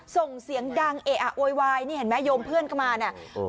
ส่งเสียงดังเอะอะโวยวายนี่เห็นไหมโยมเพื่อนก็มาเนี่ย